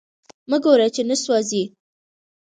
مه ګوره چی نه سوازی